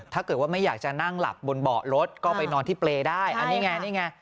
ถ้าเกิดว่าไม่อยากจะนั่งหลับบนเบาะรถก็ไปนอนที่เปรย์ได้อันนี้ไงนี่ไง